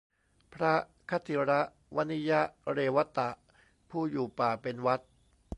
พระขทิรวนิยเรวตะ ผู้อยู่ป่าเป็นวัตร